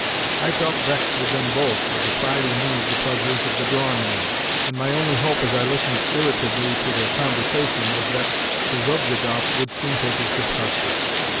I felt vexed with them both for depriving me of the pleasures of the drawing room, and my only hope as I listened irritably to their conversation was that Bezobiedoff would soon take his departure.